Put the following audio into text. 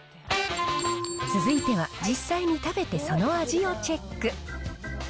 続いては、実際に食べてその味をチェック。